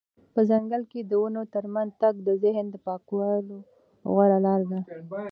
په ځنګل کې د ونو ترمنځ تګ د ذهن د پاکولو غوره لاره ده.